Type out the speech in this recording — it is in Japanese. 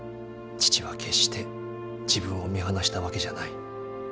父は決して自分を見放したわけじゃない。